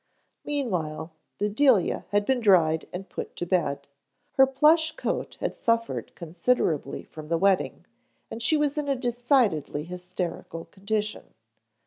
Meanwhile Bedelia had been dried and put to bed. Her plush coat had suffered considerably from the wetting and she was in a decidedly hysterical condition.